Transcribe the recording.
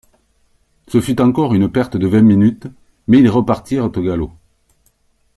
Ce fut encore une perte de vingt minutes ; mais ils repartirent au galop.